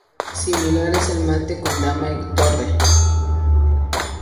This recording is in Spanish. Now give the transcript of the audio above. Similar es el mate con dama y torre.